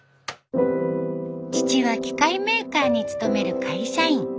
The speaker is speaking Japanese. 父は機械メーカーに勤める会社員。